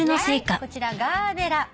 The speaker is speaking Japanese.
こちらガーベラ。